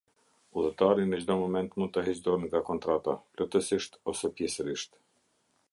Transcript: Udhëtari në çdo moment mund të heqë dorë nga kontrata, plotësisht ose pjesërisht.